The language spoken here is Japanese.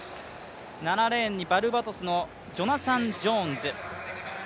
７レーンにバルバドスのジョナサン・ジョーンズ。